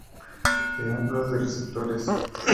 Ejemplos de receptores